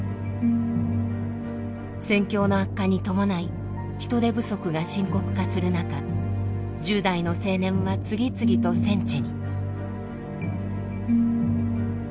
戦況の悪化に伴い人手不足が深刻化する中１０代の青年は次々と戦地に。